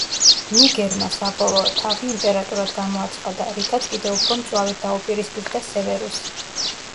ნიგერმა, საბოლოოდ, თავი იმპერატორად გამოაცხადა, რითაც კიდევ უფრო მწვავედ დაუპირისპირდა სევერუსს.